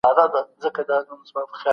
تاسو به له بې ځایه پوښتنو ډډه کوئ.